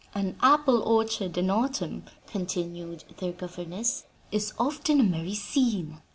"An apple orchard in autumn," continued their governess, "is often a merry scene.